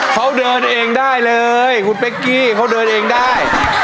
เขาเดินเองได้เลยคุณเป๊กกี้เขาเดินเองได้